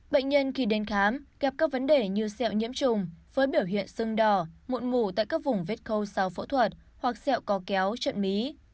bệnh nhân khi đến khám gặp các vấn đề như sẹo nhiễm trùng với biểu hiện sưng đỏ mụn ngủ tại các vùng vết khâu sau phẫu thuật hoặc xẹo có kéo trận mí